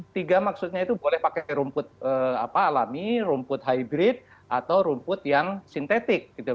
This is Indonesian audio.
tiga maksudnya itu boleh pakai rumput alami rumput hybrid atau rumput yang sintetik gitu